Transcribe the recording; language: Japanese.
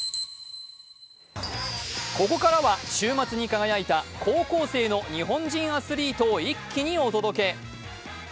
ここからは週末に輝いた高校生の日本人アスリートを一気にお届け。